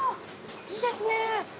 いいですね。